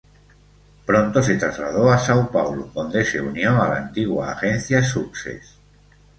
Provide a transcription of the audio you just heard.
Pronto se trasladó a São Paulo, donde se unió a la antigua agencia Success.